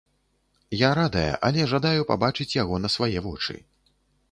Я радая, але жадаю пабачыць яго на свае вочы.